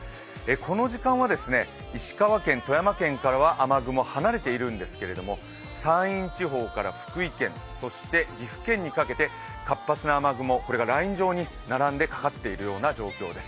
この時間は石川県、富山県からは雨雲、晴れているんですけども、山陰地方から福井県、そして岐阜県にかけて活発な雨雲、これがライン状に並んでかかっているような状況です。